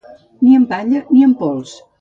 Ni en palla ni en pols.